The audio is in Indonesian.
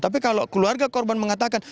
tapi kalau keluarga korban mengatakan